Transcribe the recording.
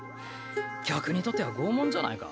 客にとっては拷問じゃないか？